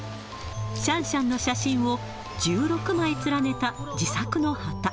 シャンシャンの写真を１６枚連ねた自作の旗。